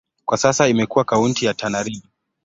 Kwa sasa imekuwa kaunti ya Tana River.